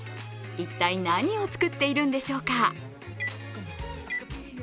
一体何を作っているんでしょうか。